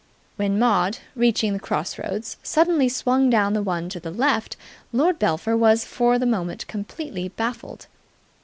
When Maud, reaching the cross roads, suddenly swung down the one to the left, Lord Belpher was for the moment completely baffled.